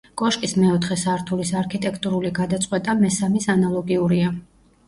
კოშკის მეოთხე სართულის არქიტექტურული გადაწყვეტა მესამის ანალოგიურია.